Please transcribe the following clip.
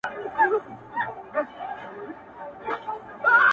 زه د جنتونو و اروا ته مخامخ يمه ـ